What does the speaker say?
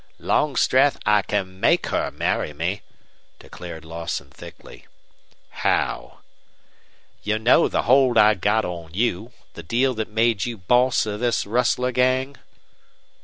"Longstreth, I can MAKE her marry me," declared Lawson, thickly. "How?" "You know the hold I got on you the deal that made you boss of this rustler gang?"